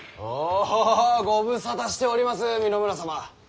あぁご無沙汰しております三野村様。